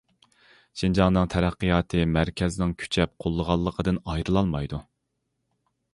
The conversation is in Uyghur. شىنجاڭنىڭ تەرەققىياتى مەركەزنىڭ كۈچەپ قوللىغانلىقىدىن ئايرىلالمايدۇ.